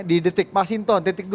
di detik mas hinton detik dua